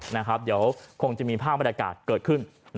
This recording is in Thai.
เดี๋ยวคงจะมีผ้าบริการเกิดขึ้น